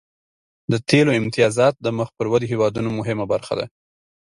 د تیلو امتیازات د مخ پر ودې هیوادونو مهمه برخه ده